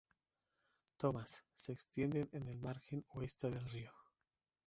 Thomas, se extienden en el margen oeste del río.